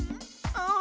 ああ。